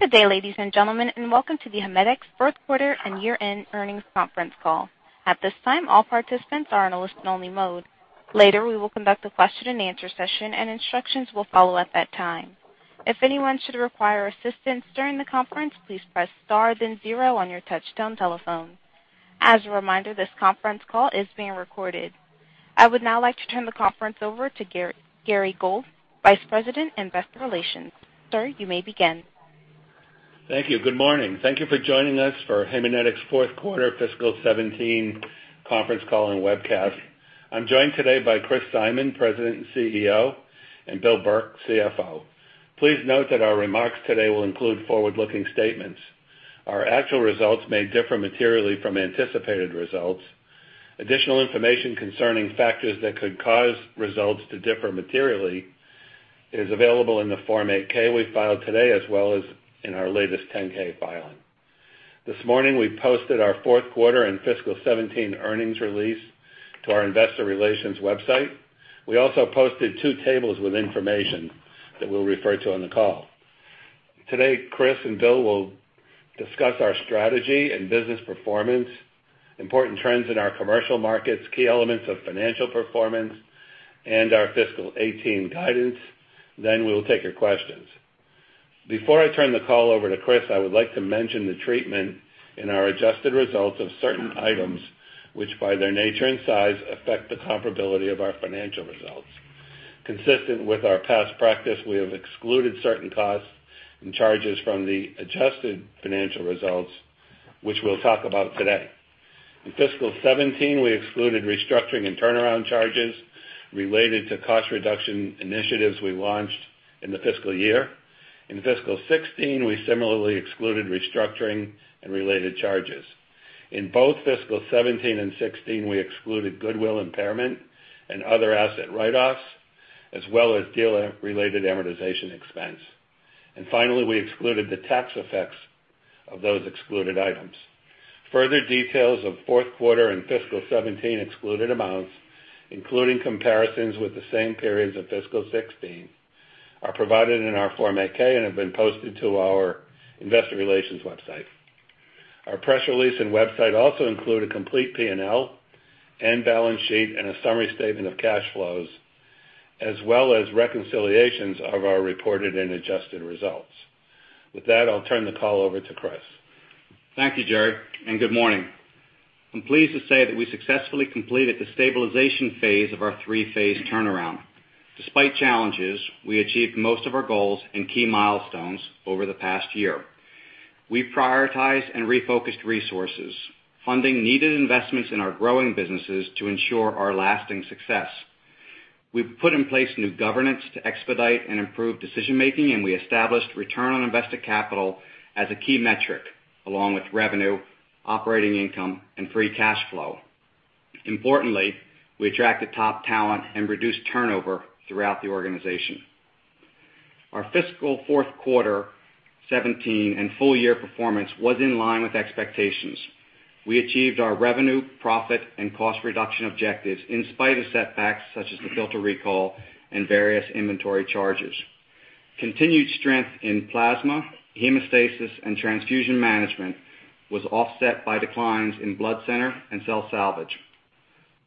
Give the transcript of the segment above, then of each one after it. Good day, ladies and gentlemen, and welcome to the Haemonetics fourth quarter and year-end earnings conference call. At this time, all participants are in a listen only mode. Later, we will conduct a question and answer session, and instructions will follow at that time. If anyone should require assistance during the conference, please press star then zero on your touchtone telephone. As a reminder, this conference call is being recorded. I would now like to turn the conference over to Gerry Gould, Vice President, Investor Relations. Sir, you may begin. Thank you. Good morning. Thank you for joining us for Haemonetics fourth quarter fiscal 2017 conference call and webcast. I am joined today by Chris Simon, President and CEO, and Bill Burke, CFO. Please note that our remarks today will include forward-looking statements. Our actual results may differ materially from anticipated results. Additional information concerning factors that could cause results to differ materially is available in the Form 8-K we filed today, as well as in our latest 10-K filing. This morning, we posted our fourth quarter and fiscal 2017 earnings release to our investor relations website. We also posted two tables with information that we will refer to on the call. Today, Chris and Bill will discuss our strategy and business performance, important trends in our commercial markets, key elements of financial performance, and our fiscal 2018 guidance. We will take your questions. Before I turn the call over to Chris, I would like to mention the treatment in our adjusted results of certain items, which, by their nature and size, affect the comparability of our financial results. Consistent with our past practice, we have excluded certain costs and charges from the adjusted financial results, which we will talk about today. In fiscal 2017, we excluded restructuring and turnaround charges related to cost reduction initiatives we launched in the fiscal year. In fiscal 2016, we similarly excluded restructuring and related charges. In both fiscal 2017 and 2016, we excluded goodwill impairment and other asset write-offs, as well as deal-related amortization expense. Finally, we excluded the tax effects of those excluded items. Further details of fourth quarter and fiscal 2017 excluded amounts, including comparisons with the same periods of fiscal 2016, are provided in our Form 8-K and have been posted to our investor relations website. Our press release and website also include a complete P&L and balance sheet and a summary statement of cash flows, as well as reconciliations of our reported and adjusted results. With that, I will turn the call over to Chris. Thank you, Gerry, and good morning. I'm pleased to say that we successfully completed the stabilization phase of our three-phase turnaround. Despite challenges, we achieved most of our goals and key milestones over the past year. We prioritized and refocused resources, funding needed investments in our growing businesses to ensure our lasting success. We've put in place new governance to expedite and improve decision-making, and we established return on invested capital as a key metric, along with revenue, operating income, and free cash flow. Importantly, we attracted top talent and reduced turnover throughout the organization. Our fiscal fourth quarter 2017 and full-year performance was in line with expectations. We achieved our revenue, profit, and cost reduction objectives in spite of setbacks such as the filter recall and various inventory charges. Continued strength in plasma, hemostasis, and transfusion management was offset by declines in blood center and cell salvage.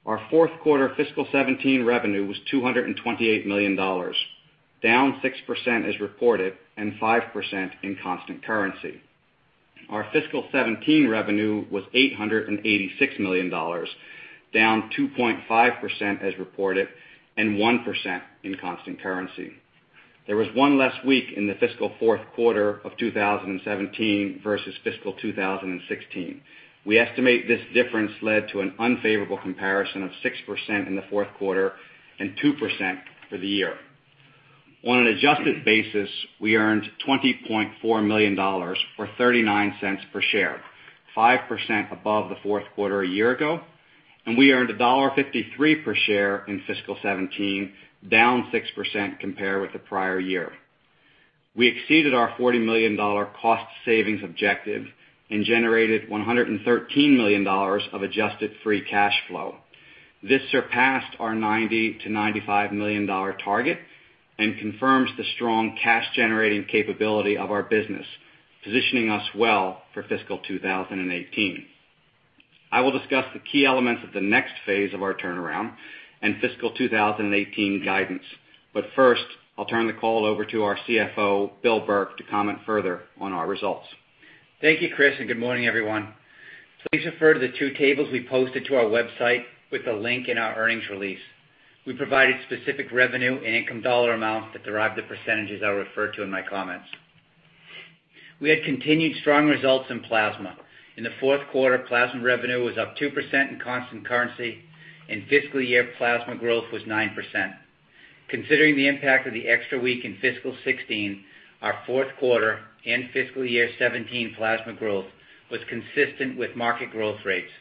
Our fourth quarter fiscal 2017 revenue was $228 million, down 6% as reported, and 5% in constant currency. Our fiscal 2017 revenue was $886 million, down 2.5% as reported, and 1% in constant currency. There was one less week in the fiscal fourth quarter of 2017 versus fiscal 2016. We estimate this difference led to an unfavorable comparison of 6% in the fourth quarter and 2% for the year. On an adjusted basis, we earned $20.4 million, or $0.39 per share, 5% above the fourth quarter a year ago, and we earned $1.53 per share in fiscal 2017, down 6% compared with the prior year. We exceeded our $40 million cost savings objective and generated $113 million of adjusted free cash flow. This surpassed our $90 million-$95 million target and confirms the strong cash-generating capability of our business, positioning us well for fiscal 2018. I will discuss the key elements of the next phase of our turnaround and fiscal 2018 guidance. First, I'll turn the call over to our CFO, William Burke, to comment further on our results. Thank you, Chris, and good morning, everyone. Please refer to the two tables we posted to our website with the link in our earnings release. We provided specific revenue and income dollar amounts that derive the percentages I'll refer to in my comments. We had continued strong results in plasma. In the fourth quarter, plasma revenue was up 2% in constant currency. In fiscal year, plasma growth was 9%. Considering the impact of the extra week in fiscal 2016, our fourth quarter and fiscal year 2017 plasma growth was consistent with market growth rates.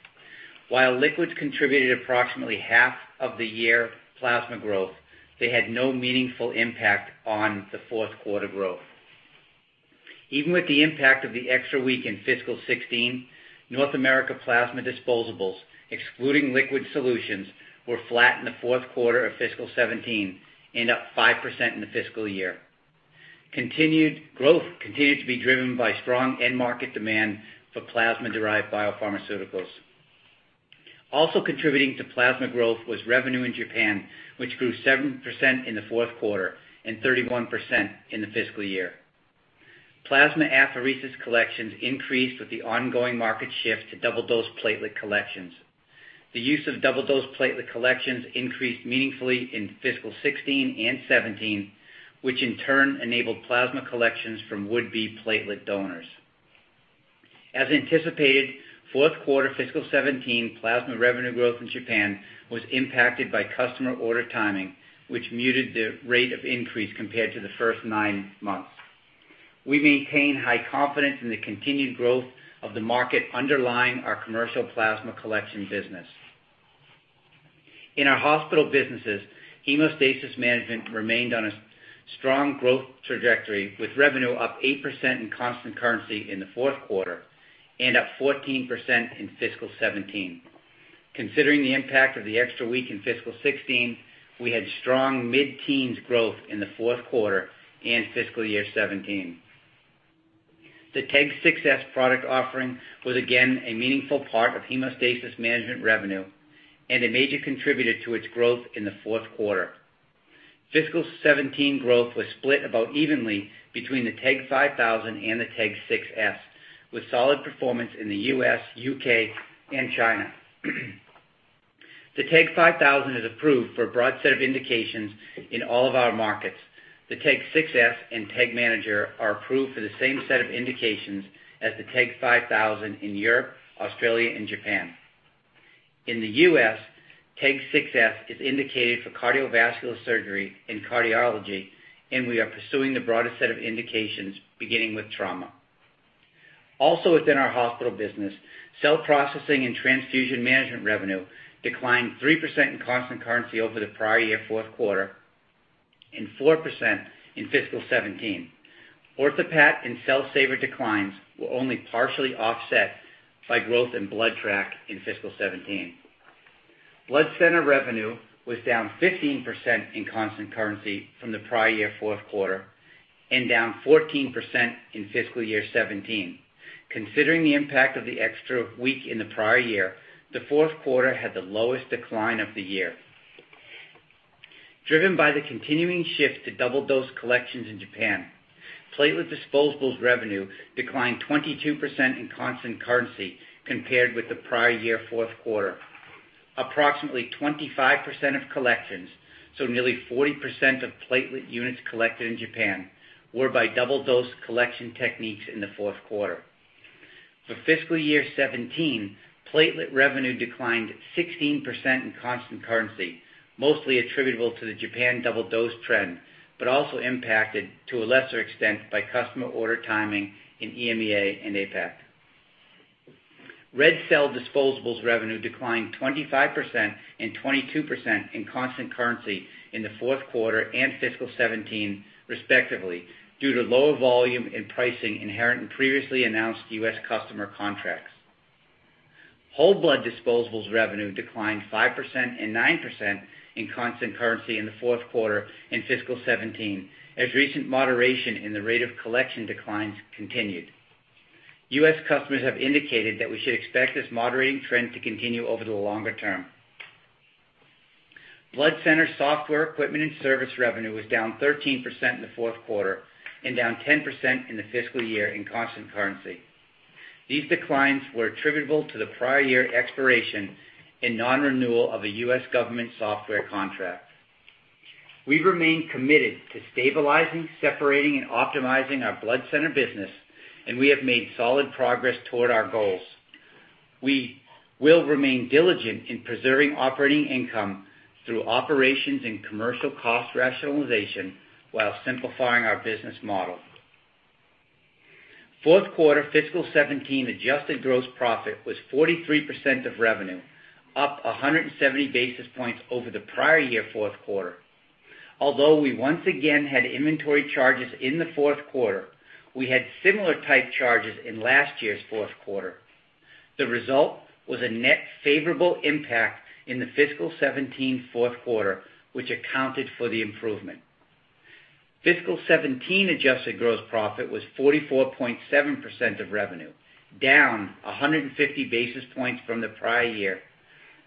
While liquids contributed approximately half of the year plasma growth, they had no meaningful impact on the fourth quarter growth. Even with the impact of the extra week in fiscal 2016, North America plasma disposables, excluding liquid solutions, were flat in the fourth quarter of fiscal 2017 and up 5% in the fiscal year. Growth continued to be driven by strong end market demand for plasma-derived biopharmaceuticals. Also contributing to plasma growth was revenue in Japan, which grew 7% in the fourth quarter and 31% in the fiscal year. Plasma apheresis collections increased with the ongoing market shift to double dose platelet collections. The use of double dose platelet collections increased meaningfully in fiscal 2016 and 2017, which in turn enabled plasma collections from would-be platelet donors. As anticipated, fourth quarter fiscal 2017 plasma revenue growth in Japan was impacted by customer order timing, which muted the rate of increase compared to the first nine months. We maintain high confidence in the continued growth of the market underlying our commercial plasma collection business. In our hospital businesses, hemostasis management remained on a strong growth trajectory, with revenue up 8% in constant currency in the fourth quarter and up 14% in fiscal 2017. Considering the impact of the extra week in fiscal 2016, we had strong mid-teens growth in the fourth quarter and fiscal year 2017. The TEG 6s product offering was again a meaningful part of hemostasis management revenue and a major contributor to its growth in the fourth quarter. Fiscal 2017 growth was split about evenly between the TEG 5000 and the TEG 6s, with solid performance in the U.S., U.K. and China. The TEG 5000 is approved for a broad set of indications in all of our markets. The TEG 6s and TEG Manager are approved for the same set of indications as the TEG 5000 in Europe, Australia, and Japan. In the U.S., TEG 6s is indicated for cardiovascular surgery and cardiology, and we are pursuing the broadest set of indications, beginning with trauma. Also within our hospital business, cell processing and transfusion management revenue declined 3% in constant currency over the prior year fourth quarter and 4% in fiscal 2017. OrthoPAT and Cell Saver declines were only partially offset by growth in BloodTrack in fiscal 2017. Blood Center revenue was down 15% in constant currency from the prior year fourth quarter and down 14% in fiscal year 2017. Considering the impact of the extra week in the prior year, the fourth quarter had the lowest decline of the year. Driven by the continuing shift to double dose collections in Japan, platelet disposables revenue declined 22% in constant currency compared with the prior year fourth quarter. Approximately 25% of collections, so nearly 40% of platelet units collected in Japan, were by double dose collection techniques in the fourth quarter. For fiscal year 2017, platelet revenue declined 16% in constant currency, mostly attributable to the Japan double dose trend, but also impacted to a lesser extent by customer order timing in EMEA and APAC. Red cell disposables revenue declined 25% and 22% in constant currency in the fourth quarter and fiscal 2017 respectively, due to lower volume and pricing inherent in previously announced U.S. customer contracts. Whole blood disposables revenue declined 5% and 9% in constant currency in the fourth quarter and fiscal 2017 as recent moderation in the rate of collection declines continued. U.S. customers have indicated that we should expect this moderating trend to continue over the longer term. Blood Center software, equipment and service revenue was down 13% in the fourth quarter and down 10% in the fiscal year in constant currency. These declines were attributable to the prior year expiration and non-renewal of a U.S. government software contract. We remain committed to stabilizing, separating, and optimizing our blood center business, and we have made solid progress toward our goals. We will remain diligent in preserving operating income through operations and commercial cost rationalization while simplifying our business model. Fourth quarter fiscal 2017 adjusted gross profit was 43% of revenue, up 170 basis points over the prior year fourth quarter. Although we once again had inventory charges in the fourth quarter, we had similar type charges in last year's fourth quarter. The result was a net favorable impact in the fiscal 2017 fourth quarter, which accounted for the improvement. Fiscal 2017 adjusted gross profit was 44.7% of revenue, down 150 basis points from the prior year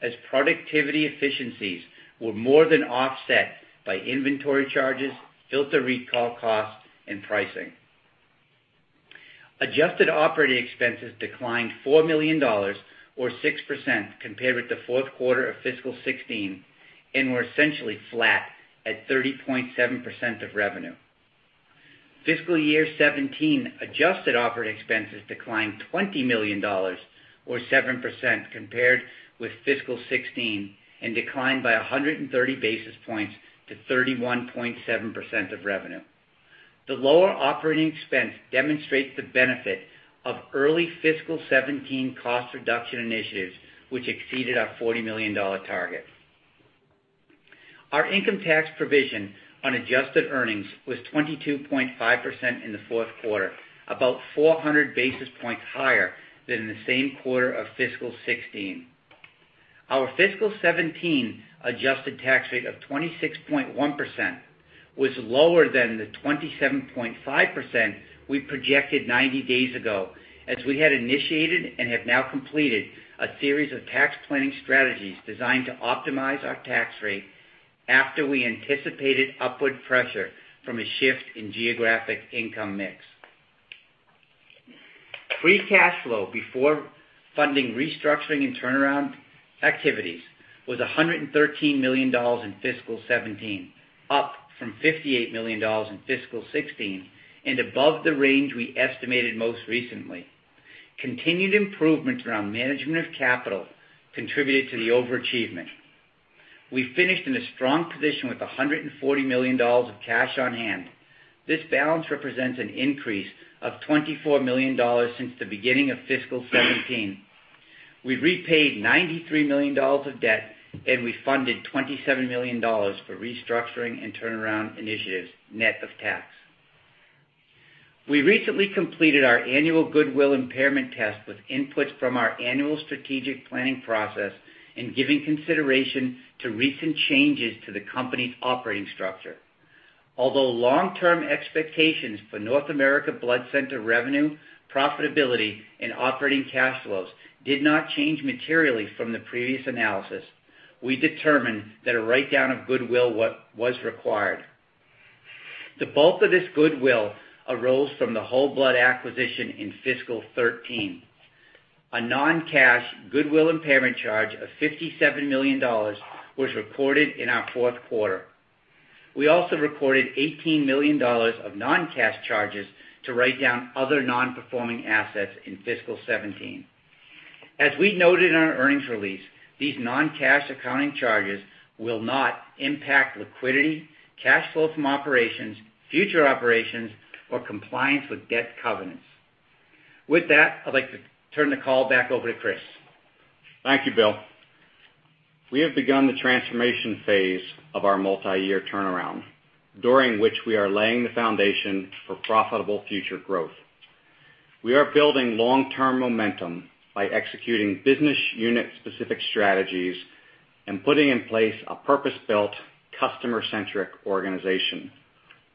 as productivity efficiencies were more than offset by inventory charges, filter recall costs and pricing. Adjusted operating expenses declined $4 million or 6% compared with the fourth quarter of fiscal 2016, and were essentially flat at 30.7% of revenue. Fiscal year 2017 adjusted operating expenses declined $20 million or 7% compared with fiscal 2016, and declined by 130 basis points to 31.7% of revenue. The lower operating expense demonstrates the benefit of early fiscal 2017 cost reduction initiatives, which exceeded our $40 million target. Our income tax provision on adjusted earnings was 22.5% in the fourth quarter, about 400 basis points higher than in the same quarter of fiscal 2016. Our fiscal 2017 adjusted tax rate of 26.1% was lower than the 27.5% we projected 90 days ago, as we had initiated and have now completed a series of tax planning strategies designed to optimize our tax rate after we anticipated upward pressure from a shift in geographic income mix. Free cash flow before funding restructuring and turnaround activities was $113 million in fiscal 2017, up from $58 million in fiscal 2016, and above the range we estimated most recently. Continued improvements around management of capital contributed to the overachievement. We finished in a strong position with $140 million of cash on hand. This balance represents an increase of $24 million since the beginning of fiscal 2017. We repaid $93 million of debt, and we funded $27 million for restructuring and turnaround initiatives, net of tax. We recently completed our annual goodwill impairment test with inputs from our annual strategic planning process in giving consideration to recent changes to the company's operating structure. Although long-term expectations for North America Blood Center revenue, profitability, and operating cash flows did not change materially from the previous analysis, we determined that a write-down of goodwill was required. The bulk of this goodwill arose from the whole blood acquisition in fiscal 2013. A non-cash goodwill impairment charge of $57 million was recorded in our fourth quarter. We also recorded $18 million of non-cash charges to write down other non-performing assets in fiscal 2017. As we noted in our earnings release, these non-cash accounting charges will not impact liquidity, cash flow from operations, future operations, or compliance with debt covenants. With that, I'd like to turn the call back over to Chris. Thank you, Bill. We have begun the transformation phase of our multi-year turnaround, during which we are laying the foundation for profitable future growth. We are building long-term momentum by executing business unit-specific strategies and putting in place a purpose-built, customer-centric organization,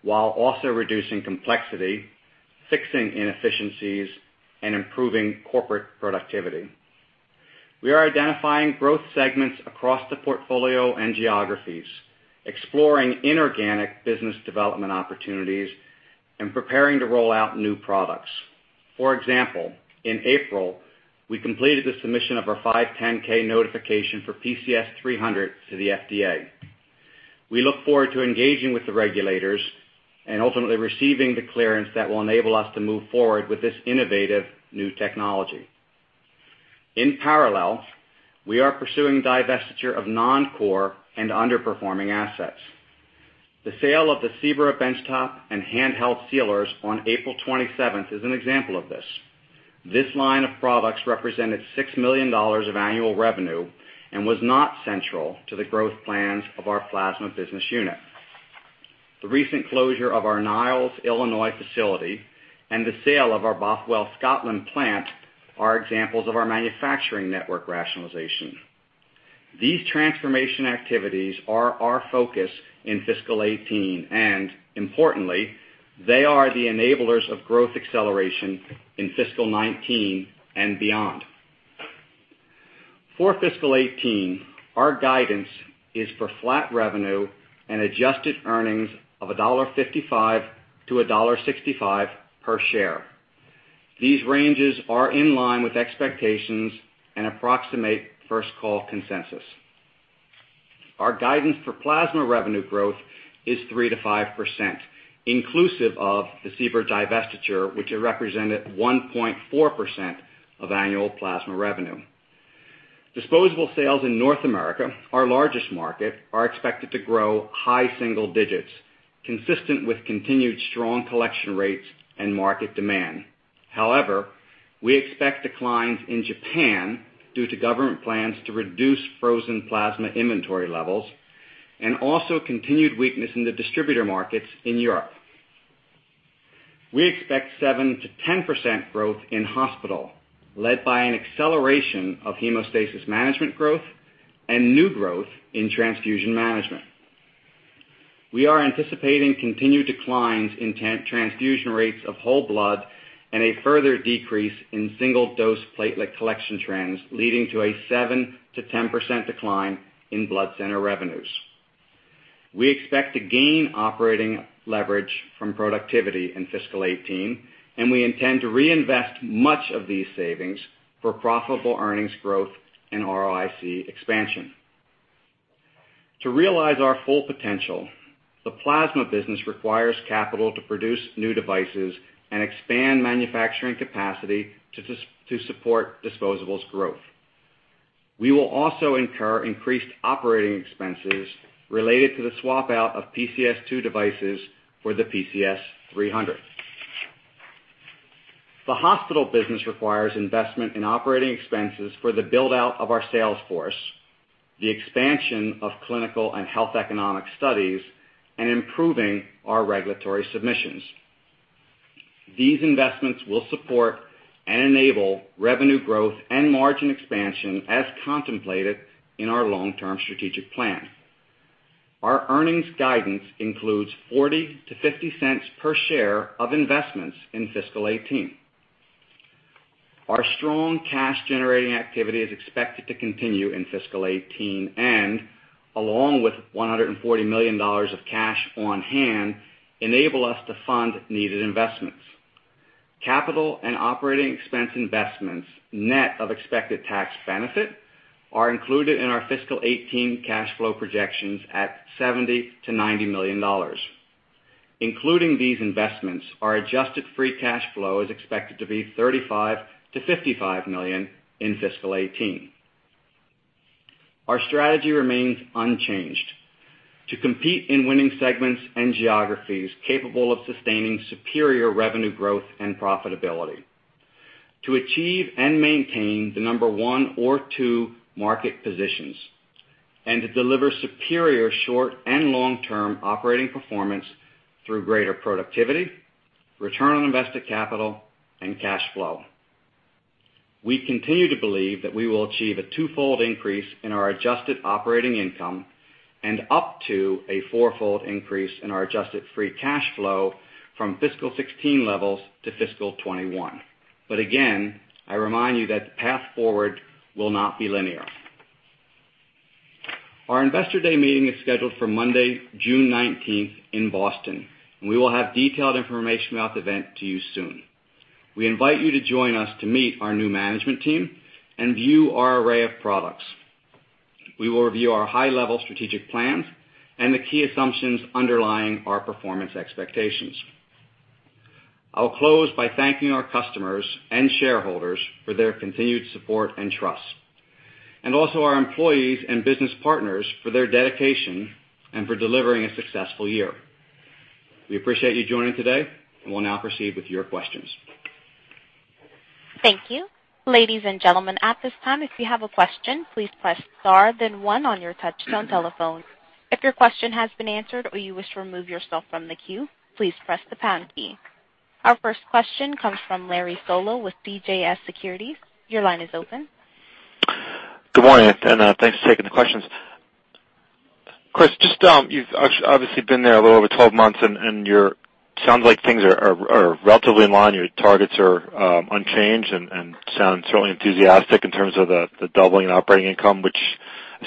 while also reducing complexity, fixing inefficiencies, and improving corporate productivity. We are identifying growth segments across the portfolio and geographies, exploring inorganic business development opportunities, and preparing to roll out new products. For example, in April, we completed the submission of our 510(k) notification for PCS 300 to the FDA. We look forward to engaging with the regulators and ultimately receiving the clearance that will enable us to move forward with this innovative new technology. In parallel, we are pursuing divestiture of non-core and underperforming assets. The sale of the SEBRA benchtop and handheld sealers on April 27th is an example of this. This line of products represented $6 million of annual revenue and was not central to the growth plans of our plasma business unit. The recent closure of our Niles, Illinois, facility and the sale of our Bothwell, Scotland, plant are examples of our manufacturing network rationalization. These transformation activities are our focus in fiscal 2018, and importantly, they are the enablers of growth acceleration in fiscal 2019 and beyond. For fiscal 2018, our guidance is for flat revenue and adjusted earnings of $1.55-$1.65 per share. These ranges are in line with expectations and approximate first call consensus. Our guidance for plasma revenue growth is 3%-5%, inclusive of the SEBRA divestiture, which represented 1.4% of annual plasma revenue. Disposable sales in North America, our largest market, are expected to grow high single digits, consistent with continued strong collection rates and market demand. We expect declines in Japan due to government plans to reduce frozen plasma inventory levels and also continued weakness in the distributor markets in Europe. We expect 7%-10% growth in hospital, led by an acceleration of hemostasis management growth and new growth in transfusion management. We are anticipating continued declines in transfusion rates of whole blood and a further decrease in single-dose platelet collection trends, leading to a 7%-10% decline in blood center revenues. We expect to gain operating leverage from productivity in fiscal 2018, and we intend to reinvest much of these savings for profitable earnings growth and ROIC expansion. To realize our full potential, the plasma business requires capital to produce new devices and expand manufacturing capacity to support disposables growth. We will also incur increased operating expenses related to the swap-out of PCS2 devices for the PCS 300. The hospital business requires investment in operating expenses for the build-out of our sales force, the expansion of clinical and health economic studies, and improving our regulatory submissions. These investments will support and enable revenue growth and margin expansion as contemplated in our long-term strategic plan. Our earnings guidance includes $0.40-$0.50 per share of investments in fiscal 2018. Our strong cash-generating activity is expected to continue in fiscal 2018, and along with $140 million of cash on hand, enable us to fund needed investments. Capital and operating expense investments, net of expected tax benefit, are included in our fiscal 2018 cash flow projections at $70 million-$90 million. Including these investments, our adjusted free cash flow is expected to be $35 million-$55 million in fiscal 2018. Our strategy remains unchanged: to compete in winning segments and geographies capable of sustaining superior revenue growth and profitability, to achieve and maintain the number one or two market positions, and to deliver superior short- and long-term operating performance through greater productivity, return on invested capital, and cash flow. We continue to believe that we will achieve a twofold increase in our adjusted operating income and up to a fourfold increase in our adjusted free cash flow from fiscal 2016 levels to fiscal 2021. Again, I remind you that the path forward will not be linear. Our Investor Day meeting is scheduled for Monday, June 19th in Boston. We will have detailed information about the event to you soon. We invite you to join us to meet our new management team and view our array of products. We will review our high-level strategic plans and the key assumptions underlying our performance expectations. I'll close by thanking our customers and shareholders for their continued support and trust, and also our employees and business partners for their dedication and for delivering a successful year. We appreciate you joining today. We'll now proceed with your questions. Thank you. Ladies and gentlemen, at this time, if you have a question, please press star then one on your touch-tone telephone. If your question has been answered or you wish to remove yourself from the queue, please press the pound key. Our first question comes from Larry Solow with CJS Securities. Your line is open. Good morning. Thanks for taking the questions. Chris, you've obviously been there a little over 12 months. Sounds like things are relatively in line. Your targets are unchanged. Sound certainly enthusiastic in terms of the doubling operating income, which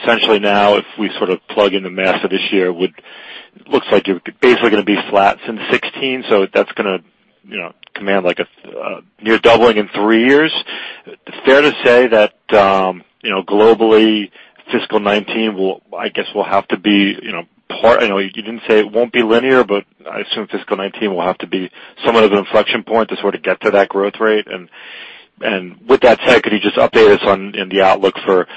essentially now, if we plug in the math of this year, looks like you're basically going to be flat since 2016. That's going to command a near doubling in three years. Fair to say that globally, fiscal 2019, I guess, you didn't say it won't be linear, but I assume fiscal 2019 will have to be somewhat of an inflection point to sort of get to that growth rate. With that said, could you just update us on the outlook for,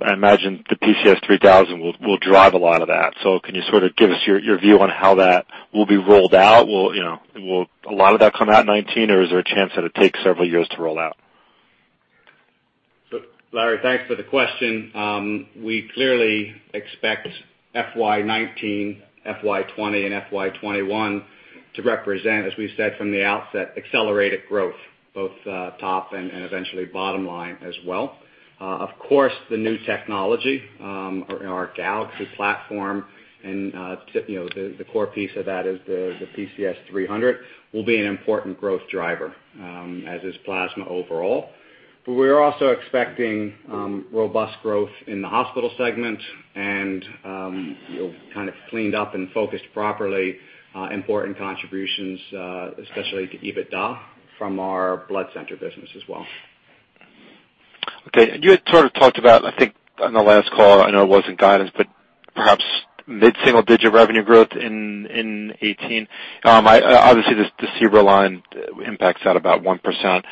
I imagine, the PCS 3000 will drive a lot of that. Can you sort of give us your view on how that will be rolled out? Will a lot of that come out in 2019, or is there a chance that it takes several years to roll out? Larry, thanks for the question. We clearly expect FY 2019, FY 2020, and FY 2021 to represent, as we've said from the outset, accelerated growth, both top and eventually bottom line as well. Of course, the new technology, our Galaxy platform and the core piece of that is the NexSys PCS, will be an important growth driver, as is plasma overall. We're also expecting robust growth in the hospital segment and kind of cleaned up and focused properly important contributions, especially to EBITDA from our Haemonetics Blood Center business as well. Okay. You had sort of talked about, I think, on the last call, I know it wasn't guidance, but perhaps mid-single-digit revenue growth in 2018. Obviously, the SEBRA line impacts that about 1%.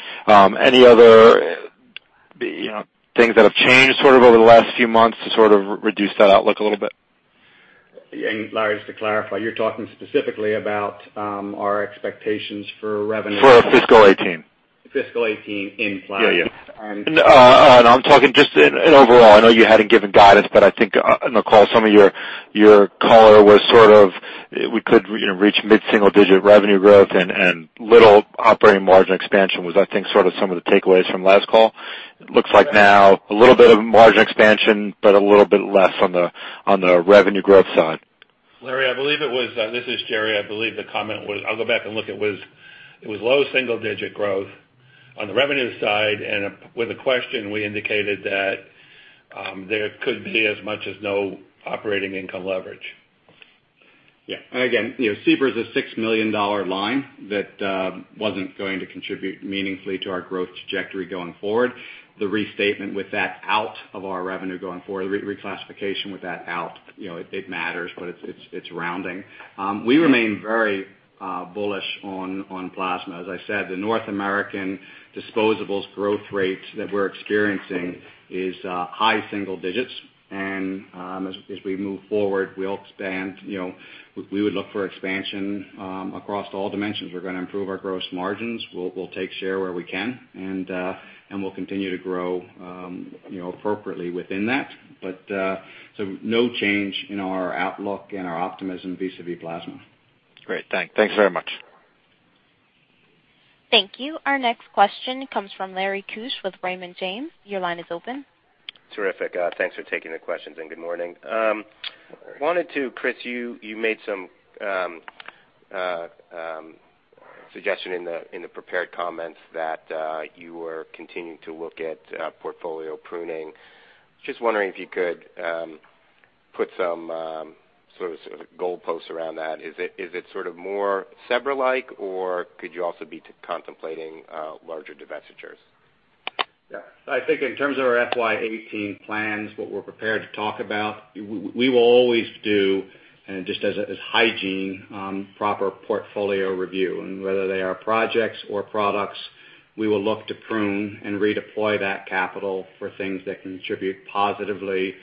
Any other things that have changed sort of over the last few months to sort of reduce that outlook a little bit? Larry, just to clarify, you're talking specifically about our expectations for revenue. For fiscal 2018. Fiscal 2018 in plasma. Yeah. No, I'm talking just in overall. I know you hadn't given guidance, but I think on the call, some of your color was sort of, we could reach mid-single-digit revenue growth and little operating margin expansion was, I think, some of the takeaways from last call. It looks like now a little bit of margin expansion, but a little bit less on the revenue growth side. Larry, this is Gerry. I'll go back and look. It was low single-digit growth on the revenue side, and with the question, we indicated that there could be as much as no operating income leverage. Yeah. Again, SEBRA's a $6 million line that wasn't going to contribute meaningfully to our growth trajectory going forward. The restatement with that out of our revenue going forward, reclassification with that out, it matters, but it's rounding. We remain very bullish on plasma. As I said, the North American disposables growth rate that we're experiencing is high single digits, and as we move forward, we would look for expansion across all dimensions. We're going to improve our gross margins. We'll take share where we can, and we'll continue to grow appropriately within that. No change in our outlook and our optimism vis-à-vis plasma. Great. Thanks very much. Thank you. Our next question comes from Lawrence Keusch with Raymond James. Your line is open. Terrific. Thanks for taking the questions, and good morning. Chris, you made some suggestion in the prepared comments that you were continuing to look at portfolio pruning. Just wondering if you could put some sort of goalposts around that. Is it more Cell Saver-like, or could you also be contemplating larger divestitures? Yeah. I think in terms of our FY 2018 plans, what we're prepared to talk about, we will always do, just as hygiene, proper portfolio review. Whether they are projects or products, we will look to prune and redeploy that capital for things that contribute positively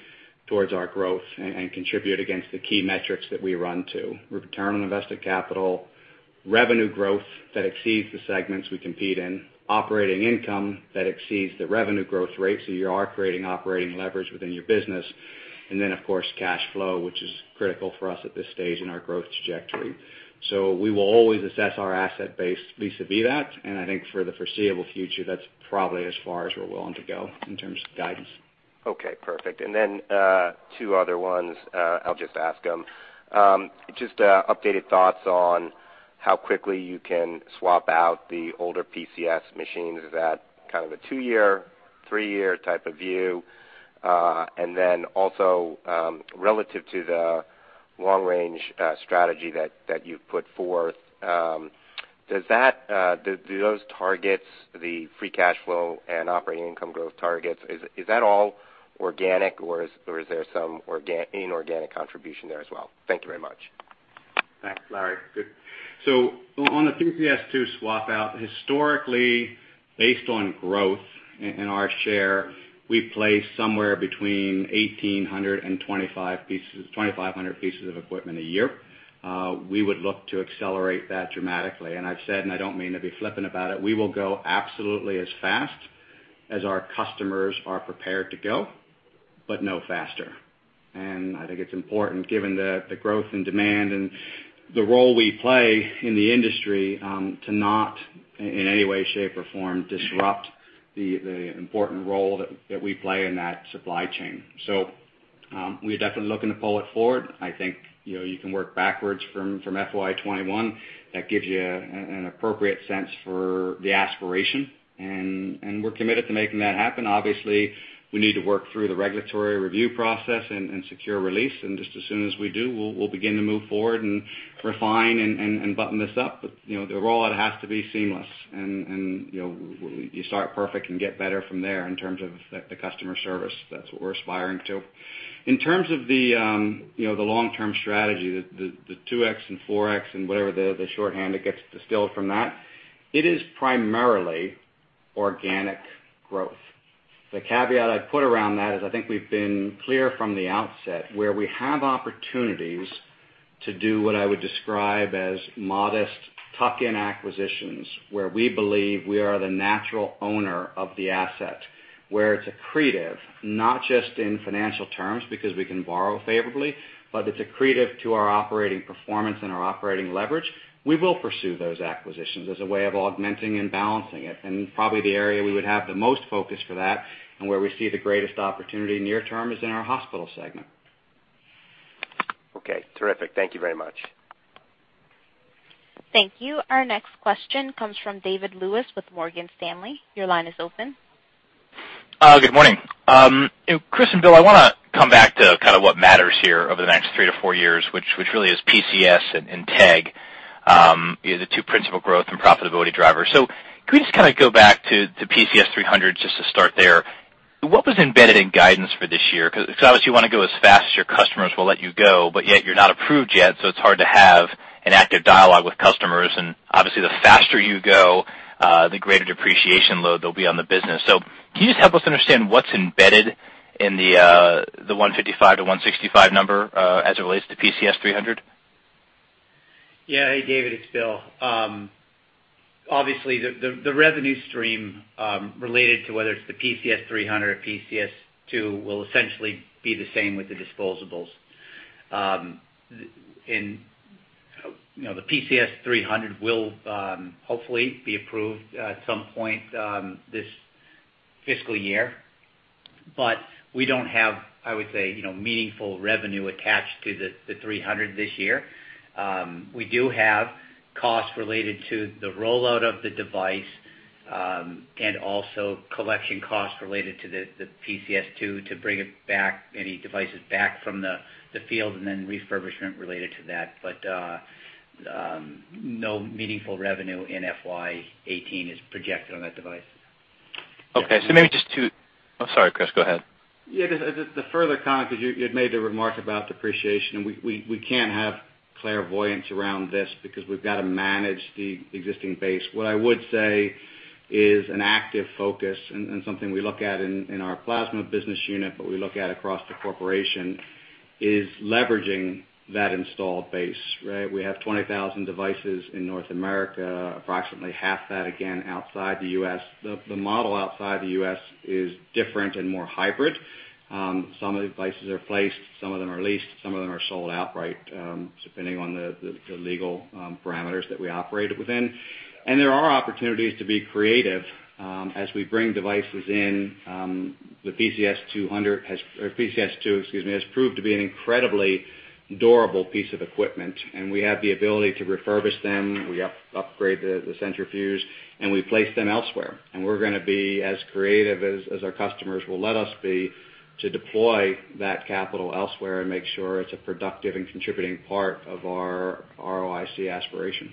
towards our growth and contribute against the key metrics that we run to. Return on invested capital, revenue growth that exceeds the segments we compete in, operating income that exceeds the revenue growth rate, so you are creating operating leverage within your business, and then, of course, cash flow, which is critical for us at this stage in our growth trajectory. We will always assess our asset base vis-à-vis that, and I think for the foreseeable future, that's probably as far as we're willing to go in terms of guidance. Okay, perfect. Two other ones, I'll just ask them. Just updated thoughts on how quickly you can swap out the older PCS machines. Is that kind of a 2-year, 3-year type of view? Also, relative to the long-range strategy that you've put forth, do those targets, the free cash flow and operating income growth targets, is that all organic, or is there some inorganic contribution there as well? Thank you very much. Thanks, Larry. Good. On the PCS2 swap-out, historically, based on growth in our share, we place somewhere between 1,800 and 2,500 pieces of equipment a year. We would look to accelerate that dramatically. I've said, and I don't mean to be flippant about it, we will go absolutely as fast as our customers are prepared to go, but no faster. I think it's important, given the growth in demand and the role we play in the industry, to not in any way, shape, or form disrupt the important role that we play in that supply chain. We're definitely looking to pull it forward. I think you can work backwards from FY 2021. That gives you an appropriate sense for the aspiration, and we're committed to making that happen. Obviously, we need to work through the regulatory review process and secure release. Just as soon as we do, we'll begin to move forward and refine and button this up. The rollout has to be seamless, and you start perfect and get better from there in terms of the customer service. That's what we're aspiring to. In terms of the long-term strategy, the 2x and 4x and whatever the shorthand that gets distilled from that, it is primarily organic growth. The caveat I'd put around that is I think we've been clear from the outset, where we have opportunities to do what I would describe as modest tuck-in acquisitions, where we believe we are the natural owner of the asset, where it's accretive, not just in financial terms, because we can borrow favorably, but it's accretive to our operating performance and our operating leverage, we will pursue those acquisitions as a way of augmenting and balancing it. Probably the area we would have the most focus for that, and where we see the greatest opportunity near term, is in our hospital segment. Terrific. Thank you very much. Thank you. Our next question comes from David Lewis with Morgan Stanley. Your line is open. Good morning. Chris and Bill, I want to come back to what matters here over the next 3 to 4 years, which really is PCS and TEG, the two principal growth and profitability drivers. Could we just go back to PCS 300 just to start there? What was embedded in guidance for this year? Obviously, you want to go as fast as your customers will let you go, but yet you're not approved yet, so it's hard to have an active dialogue with customers. Obviously, the faster you go, the greater depreciation load there'll be on the business. Can you just help us understand what's embedded in the 155 to 165 number as it relates to PCS 300? Yeah. Hey, David, it's Bill. Obviously, the revenue stream related to whether it's the PCS300 or PCS2 will essentially be the same with the disposables. The PCS300 will hopefully be approved at some point this fiscal year. We don't have, I would say, meaningful revenue attached to the 300 this year. We do have costs related to the rollout of the device and also collection costs related to the PCS2 to bring any devices back from the field and then refurbishment related to that. No meaningful revenue in FY 2018 is projected on that device. Maybe just to I'm sorry, Chris, go ahead. Yeah, just the further comment, because you had made the remark about depreciation, and we can't have clairvoyance around this because we've got to manage the existing base. What I would say is an active focus and something we look at in our plasma business unit, but we look at across the corporation, is leveraging that installed base, right? We have 20,000 devices in North America, approximately half that again outside the U.S. The model outside the U.S. is different and more hybrid. Some of the devices are placed, some of them are leased, some of them are sold outright, depending on the legal parameters that we operate within. There are opportunities to be creative as we bring devices in. The PCS2 has proved to be an incredibly durable piece of equipment, and we have the ability to refurbish them. We upgrade the centrifuge, and we place them elsewhere. We're going to be as creative as our customers will let us be to deploy that capital elsewhere and make sure it's a productive and contributing part of our ROIC aspiration.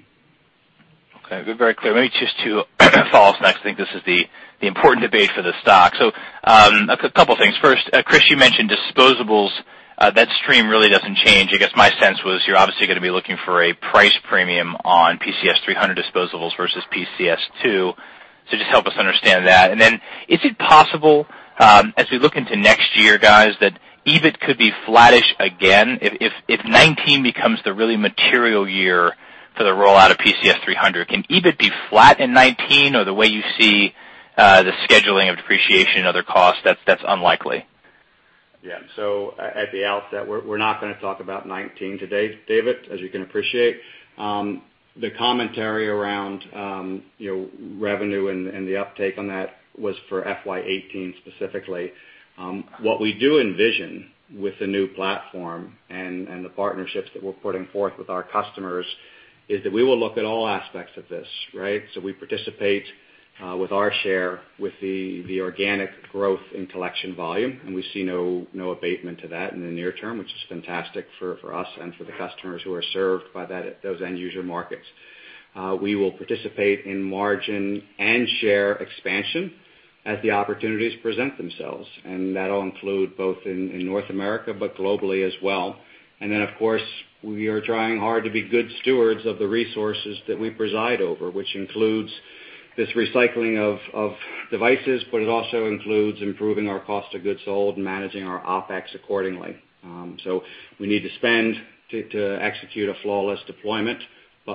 Okay. Very clear. Maybe just two follow-ups. I think this is the important debate for the stock. A couple things. First, Chris, you mentioned disposables. That stream really doesn't change. I guess my sense was you're obviously going to be looking for a price premium on NexSys PCS disposables versus PCS2. Just help us understand that. Is it possible, as we look into next year, guys, that EBIT could be flattish again, if 2019 becomes the really material year for the rollout of NexSys PCS, can EBIT be flat in 2019 or the way you see the scheduling of depreciation and other costs, that's unlikely? Yeah. At the outset, we're not going to talk about 2019 today, David, as you can appreciate. The commentary around revenue and the uptake on that was for FY 2018 specifically. What we do envision with the new platform and the partnerships that we're putting forth with our customers is that we will look at all aspects of this. We participate with our share with the organic growth in collection volume, and we see no abatement to that in the near term, which is fantastic for us and for the customers who are served by those end user markets. We will participate in margin and share expansion as the opportunities present themselves, and that'll include both in North America, but globally as well. Of course, we are trying hard to be good stewards of the resources that we preside over, which includes this recycling of devices, but it also includes improving our cost of goods sold and managing our OPEX accordingly. We need to spend to execute a flawless deployment.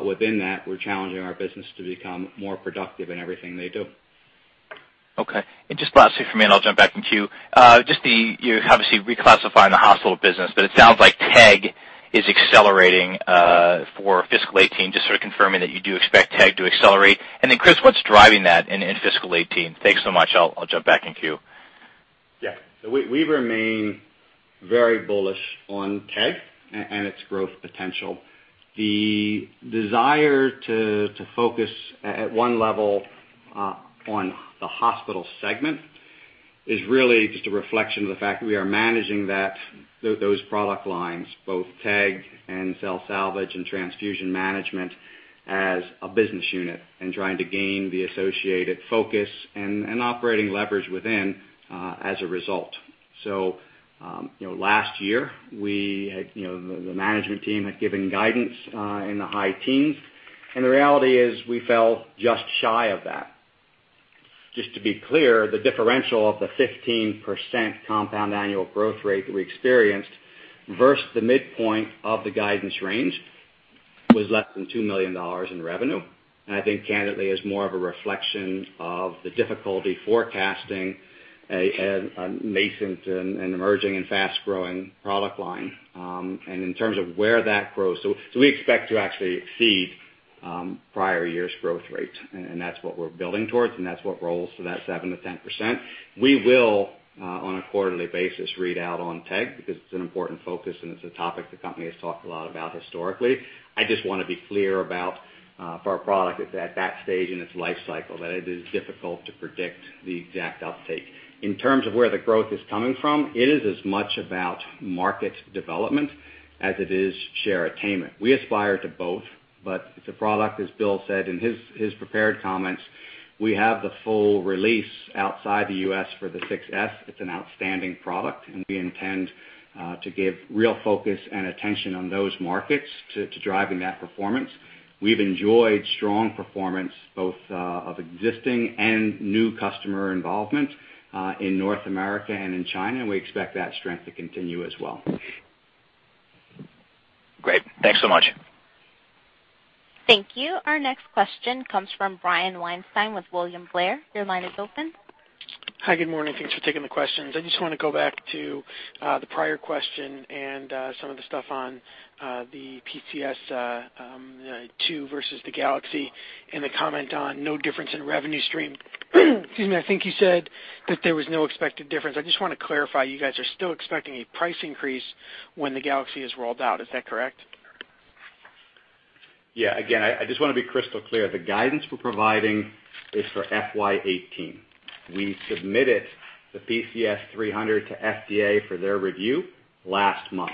Within that, we're challenging our business to become more productive in everything they do. Okay. Just lastly from me. I'll jump back in queue. You're obviously reclassifying the hospital business, but it sounds like TEG is accelerating for fiscal 2018. Just sort of confirming that you do expect TEG to accelerate. Chris, what's driving that in fiscal 2018? Thanks so much. I'll jump back in queue. Yeah. We remain very bullish on TEG and its growth potential. The desire to focus at one level on the hospital segment is really just a reflection of the fact that we are managing those product lines, both TEG and cell salvage and transfusion management, as a business unit and trying to gain the associated focus and operating leverage within as a result. Last year, the management team had given guidance in the high teens, and the reality is we fell just shy of that. Just to be clear, the differential of the 15% compound annual growth rate that we experienced versus the midpoint of the guidance range was less than $2 million in revenue, and I think candidly is more of a reflection of the difficulty forecasting a nascent and emerging and fast-growing product line. In terms of where that grows, we expect to actually exceed prior year's growth rate, and that's what we're building towards, and that's what rolls to that 7%-10%. We will, on a quarterly basis, read out on TEG because it's an important focus and it's a topic the company has talked a lot about historically. I just want to be clear about for our product at that stage in its life cycle, that it is difficult to predict the exact uptake. In terms of where the growth is coming from, it is as much about market development as it is share attainment. We aspire to both, but it's a product, as Bill said in his prepared comments, we have the full release outside the U.S. for the 6s. It's an outstanding product and we intend to give real focus and attention on those markets to driving that performance. We've enjoyed strong performance both of existing and new customer involvement in North America and in China, and we expect that strength to continue as well. Great. Thanks so much. Thank you. Our next question comes from Brian Weinstein with William Blair. Your line is open. Hi. Good morning. Thanks for taking the questions. I just want to go back to the prior question and some of the stuff on the PCS2 versus the Galaxy and the comment on no difference in revenue stream. Excuse me. I think you said that there was no expected difference. I just want to clarify, you guys are still expecting a price increase when the Galaxy is rolled out. Is that correct? Yeah. Again, I just want to be crystal clear. The guidance we're providing is for FY 2018. We submitted the NexSys PCS to FDA for their review last month.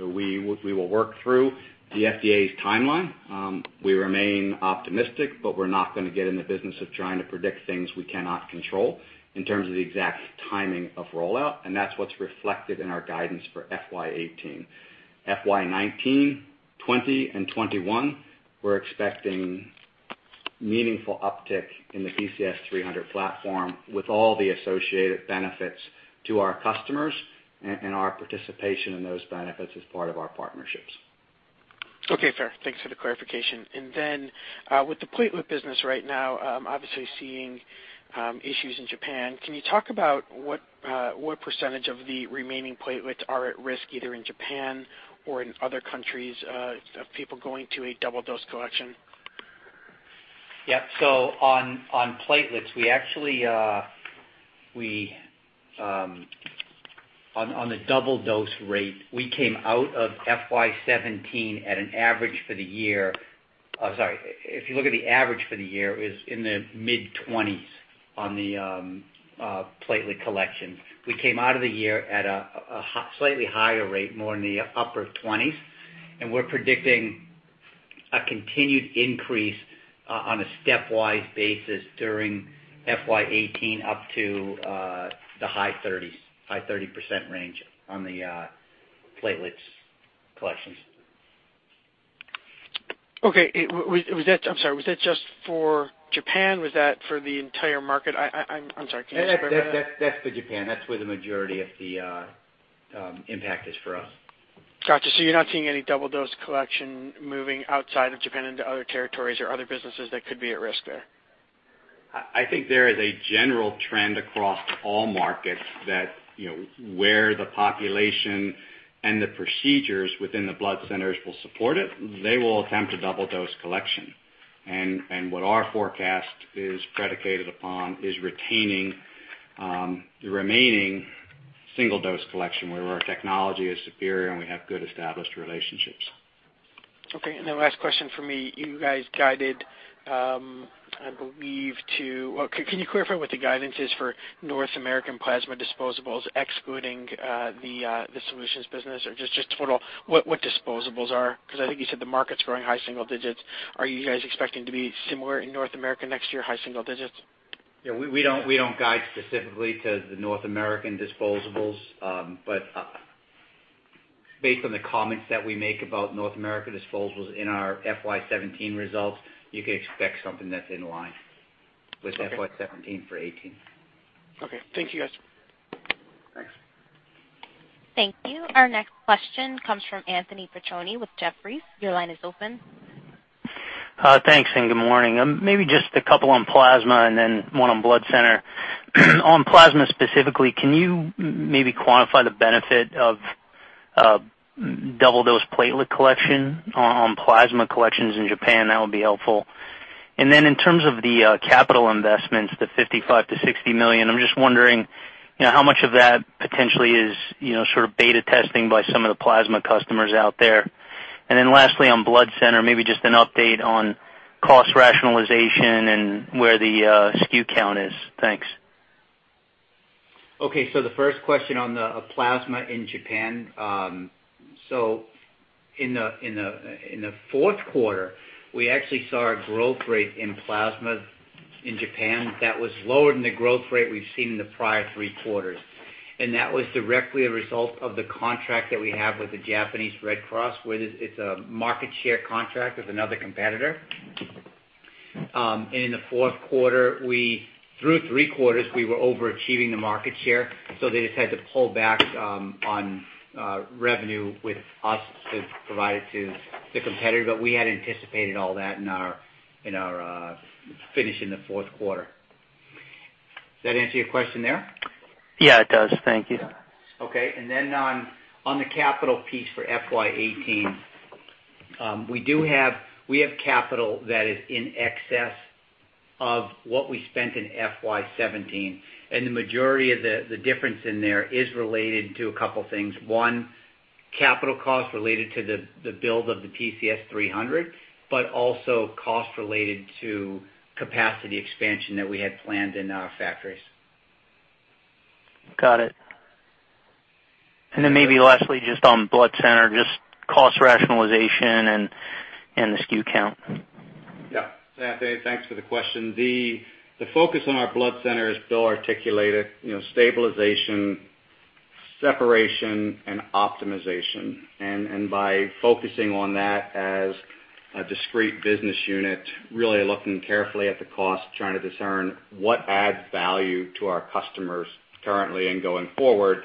We will work through the FDA's timeline. We remain optimistic, but we're not going to get in the business of trying to predict things we cannot control in terms of the exact timing of rollout, and that's what's reflected in our guidance for FY 2018. FY 2019, 2020, and 2021, we're expecting meaningful uptick in the NexSys PCS platform with all the associated benefits to our customers and our participation in those benefits as part of our partnerships. Okay, fair. Thanks for the clarification. With the platelet business right now, obviously seeing issues in Japan, can you talk about what percentage of the remaining platelets are at risk, either in Japan or in other countries of people going to a double dose collection? Yeah. On platelets, on the double dose rate, we came out of FY 2017 at an average for the year I'm sorry. If you look at the average for the year, it was in the mid-20s on the platelet collection. We came out of the year at a slightly higher rate, more in the upper 20s, and we're predicting a continued increase on a stepwise basis during FY 2018 up to the high 30s, high 30% range on the platelets collections. Okay. I'm sorry, was that just for Japan? Was that for the entire market? I'm sorry, can you just bear with me? That's for Japan. That's where the majority of the impact is for us. Got you. You're not seeing any double dose collection moving outside of Japan into other territories or other businesses that could be at risk there? I think there is a general trend across all markets that, where the population and the procedures within the blood centers will support it, they will attempt a double dose collection. What our forecast is predicated upon is retaining the remaining single-dose collection where our technology is superior, and we have good established relationships. Okay, the last question for me, you guys guided, I believe. Can you clarify what the guidance is for North American plasma disposables excluding the solutions business or just total what disposables are? Because I think you said the market's growing high single digits. Are you guys expecting to be similar in North America next year, high single digits? We don't guide specifically to the North American disposables. Based on the comments that we make about North America disposables in our FY 2017 results, you can expect something that's in line with FY 2017 for 2018. Okay. Thank you, guys. Thanks. Thank you. Our next question comes from Anthony Petrone with Jefferies. Your line is open. Thanks. Good morning. Maybe just a couple on plasma and then one on Blood Center. On plasma specifically, can you maybe quantify the benefit of double dose platelet collection on plasma collections in Japan? That would be helpful. In terms of the capital investments, the $55 million-$60 million, I'm just wondering, how much of that potentially is sort of beta testing by some of the plasma customers out there? Lastly, on Blood Center, maybe just an update on cost rationalization and where the SKU count is. Thanks. Okay. The first question on the plasma in Japan. In the fourth quarter, we actually saw a growth rate in plasma in Japan that was lower than the growth rate we've seen in the prior three quarters, and that was directly a result of the contract that we have with the Japanese Red Cross, where it's a market share contract with another competitor. In the fourth quarter through three quarters, we were overachieving the market share, so they just had to pull back on revenue with us to provide it to the competitor. We had anticipated all that in our finish in the fourth quarter. Does that answer your question there? Yeah, it does. Thank you. Okay. On the capital piece for FY 2018, we have capital that is in excess of what we spent in FY 2017, and the majority of the difference in there is related to a couple things. One, capital costs related to the build of the NexSys PCS, but also cost related to capacity expansion that we had planned in our factories. Got it. Maybe lastly, just on Blood Center, just cost rationalization and the SKU count. Yeah. Anthony, thanks for the question. The focus on our Blood Center, as Bill articulated, stabilization, separation, and optimization. By focusing on that as a discrete business unit, really looking carefully at the cost, trying to discern what adds value to our customers currently and going forward,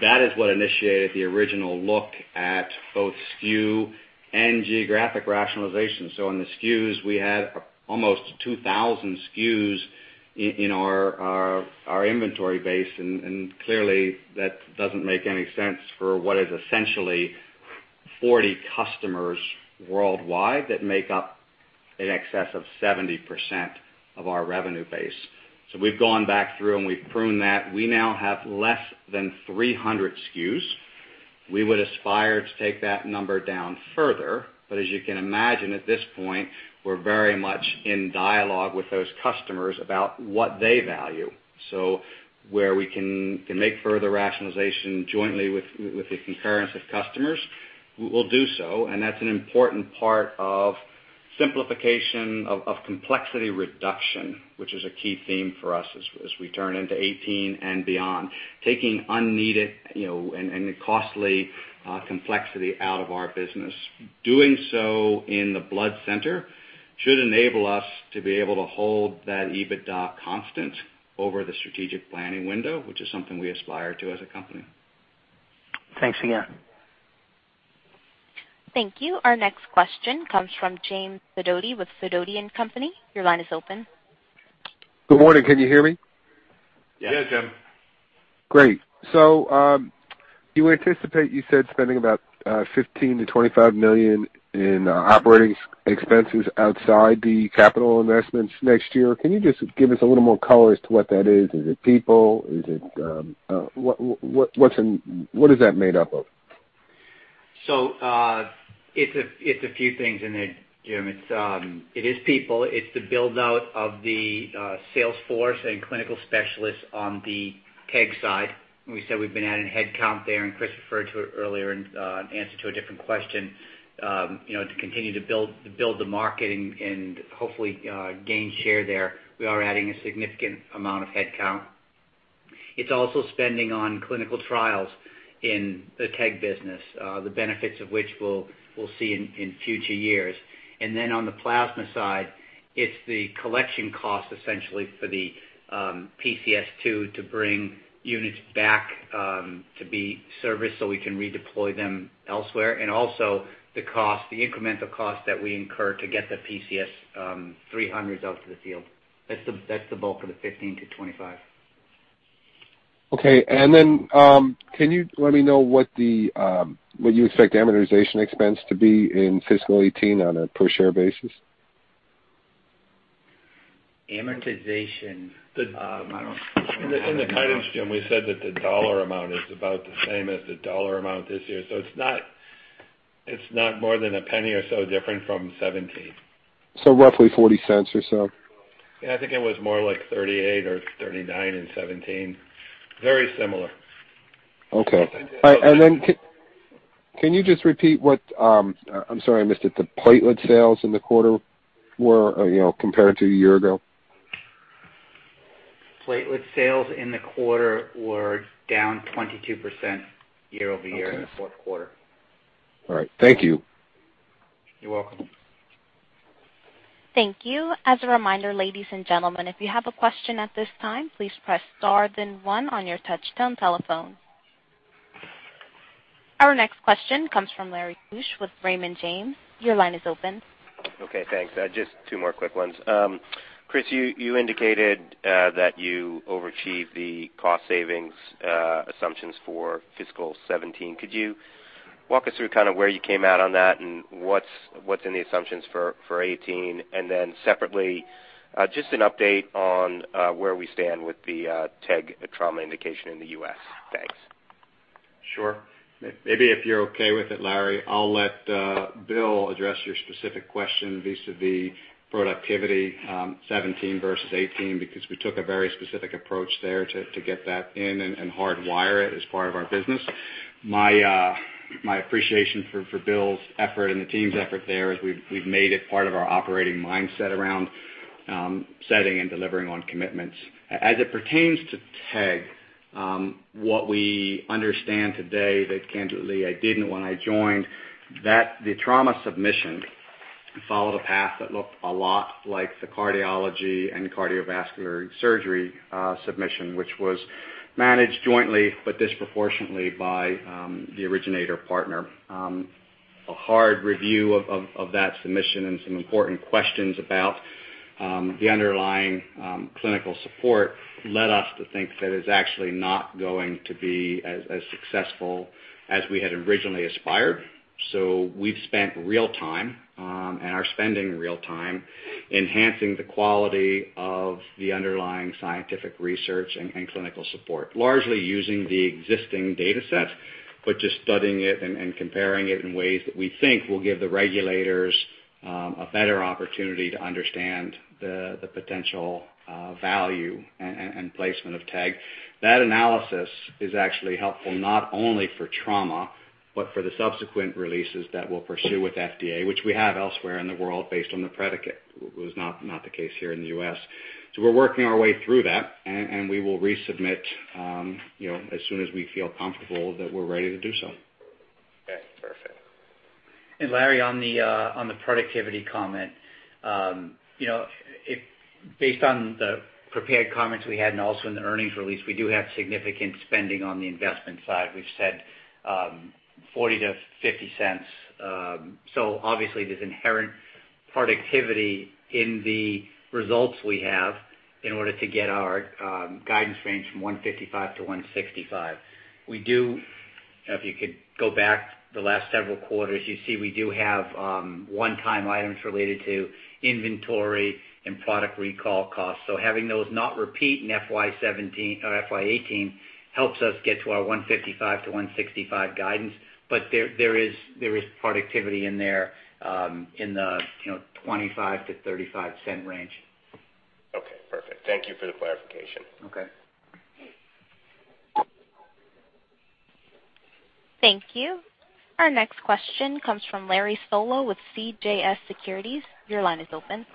that is what initiated the original look at both SKU and geographic rationalization. On the SKUs, we had almost 2,000 SKUs in our inventory base, and clearly, that doesn't make any sense for what is essentially 40 customers worldwide that make up in excess of 70% of our revenue base. We've gone back through, and we've pruned that. We now have less than 300 SKUs. We would aspire to take that number down further. As you can imagine, at this point, we're very much in dialogue with those customers about what they value. Where we can make further rationalization jointly with the concurrence of customers, we'll do so. That's an important part of simplification, of complexity reduction, which is a key theme for us as we turn into 2018 and beyond, taking unneeded and costly complexity out of our business. Doing so in the Blood Center should enable us to be able to hold that EBITDA constant over the strategic planning window, which is something we aspire to as a company. Thanks again. Thank you. Our next question comes from James Sidoti with Sidoti & Company. Your line is open. Good morning. Can you hear me? Yes, Jim. Great. You anticipate, you said, spending about $15 million-$25 million in OPEX outside the capital investments next year. Can you just give us a little more color as to what that is? Is it people? What is that made up of? It's a few things in there, Jim. It is people, it's the build-out of the sales force and clinical specialists on the TEG side. We said we've been adding headcount there, and Chris referred to it earlier in answer to a different question, to continue to build the market and hopefully gain share there. We are adding a significant amount of headcount. It's also spending on clinical trials in the TEG business, the benefits of which we'll see in future years. On the plasma side, it's the collection cost, essentially, for the PCS2 to bring units back to be serviced so we can redeploy them elsewhere. Also the cost, the incremental cost that we incur to get the PCS 300 out to the field. That's the bulk of the $15 million-$25 million. Okay. Can you let me know what you expect amortization expense to be in fiscal 2018 on a per-share basis? Amortization. In the guidance, Jim, we said that the dollar amount is about the same as the dollar amount this year, so it's not more than a $0.01 or so different from 2017. Roughly $0.40 or so. I think it was more like 38 or 39 in 2017. Very similar. Can you just repeat what, I'm sorry, I missed it, the platelet sales in the quarter were compared to a year ago. Platelet sales in the quarter were down 22% year-over-year in the fourth quarter. All right. Thank you. You're welcome. Thank you. As a reminder, ladies and gentlemen, if you have a question at this time, please press star then one on your touch tone telephone. Our next question comes from Larry Keusch with Raymond James. Your line is open. Okay, thanks. Just two more quick ones. Chris, you indicated that you overachieved the cost savings assumptions for fiscal 2017. Could you walk us through where you came out on that and what's in the assumptions for 2018? Separately, just an update on where we stand with the TEG trauma indication in the U.S. Thanks. Sure. Maybe if you're okay with it, Larry, I'll let Bill address your specific question vis-à-vis productivity 2017 versus 2018, because we took a very specific approach there to get that in and hardwire it as part of our business. My appreciation for Bill's effort and the team's effort there is we've made it part of our operating mindset around setting and delivering on commitments. As it pertains to TEG, what we understand today that candidly I didn't when I joined, that the trauma submission followed a path that looked a lot like the cardiology and cardiovascular surgery submission, which was managed jointly but disproportionately by the originator partner. A hard review of that submission and some important questions about the underlying clinical support led us to think that it's actually not going to be as successful as we had originally aspired. We've spent real time, and are spending real time, enhancing the quality of the underlying scientific research and clinical support, largely using the existing data sets, but just studying it and comparing it in ways that we think will give the regulators a better opportunity to understand the potential value and placement of TEG. That analysis is actually helpful, not only for trauma, but for the subsequent releases that we'll pursue with FDA, which we have elsewhere in the world based on the predicate, was not the case here in the U.S. We're working our way through that, and we will resubmit as soon as we feel comfortable that we're ready to do so. Okay, perfect. Larry, on the productivity comment, based on the prepared comments we had, and also in the earnings release, we do have significant spending on the investment side. We've said $0.40-$0.50. Obviously there's inherent productivity in the results we have in order to get our guidance range from $1.55-$1.65. If you could go back the last several quarters, you see we do have one-time items related to inventory and product recall costs. Having those not repeat in FY 2018 helps us get to our $1.55-$1.65 guidance. There is productivity in there in the $0.25-$0.35 range. Okay, perfect. Thank you for the clarification. Okay. Thank you. Our next question comes from Larry Solow with CJS Securities. Your line is open.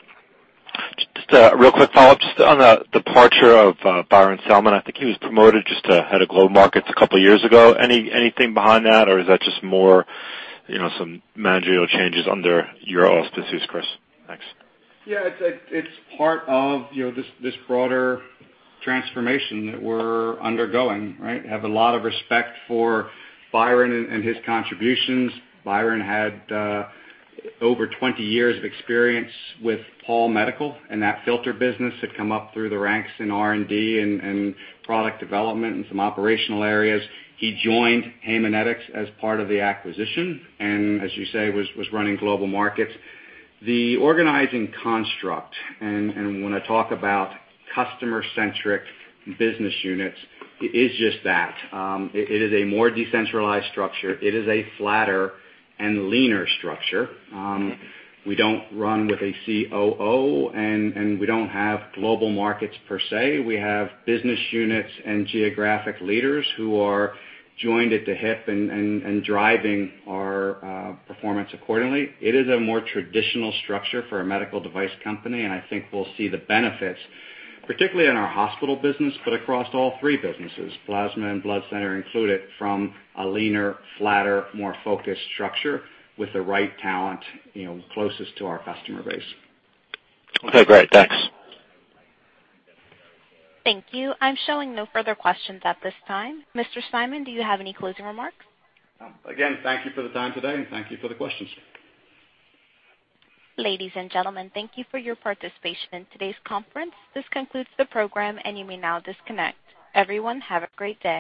Just a real quick follow-up just on the departure of Byron Selman. I think he was promoted just to head of global markets a couple years ago. Anything behind that, or is that just some managerial changes under your auspices, Chris? Thanks. Yeah, it's part of this broader transformation that we're undergoing, right? Have a lot of respect for Byron and his contributions. Byron had over 20 years of experience with Pall Medical and that filter business, had come up through the ranks in R&D and product development and some operational areas. He joined Haemonetics as part of the acquisition, and as you say, was running global markets. The organizing construct, and when I talk about customer-centric business units, it is just that. It is a more decentralized structure. It is a flatter and leaner structure. We don't run with a COO, and we don't have global markets per se. We have business units and geographic leaders who are joined at the hip and driving our performance accordingly. It is a more traditional structure for a medical device company. I think we'll see the benefits, particularly in our hospital business, but across all three businesses, plasma and Blood Center included, from a leaner, flatter, more focused structure with the right talent closest to our customer base. Okay, great. Thanks. Thank you. I'm showing no further questions at this time. Mr. Simon, do you have any closing remarks? Again, thank you for the time today. Thank you for the questions. Ladies and gentlemen, thank you for your participation in today's conference. This concludes the program, and you may now disconnect. Everyone, have a great day.